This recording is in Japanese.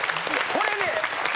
これね